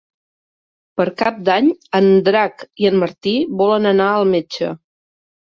Per Cap d'Any en Drac i en Martí volen anar al metge.